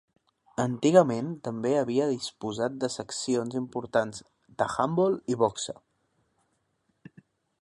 Antigament també havia disposat de seccions importants d'handbol i boxa.